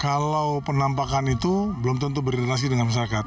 kalau penampakan itu belum tentu berintelasi dengan masyarakat